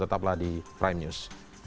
tetaplah di prime news